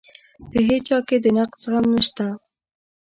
په هیچا کې د نقد زغم نشته.